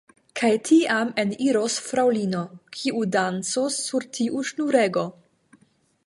Kaj tiam eniros fraŭlino, kiu dancos sur tiu ŝnurego.